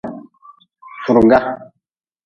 Furga.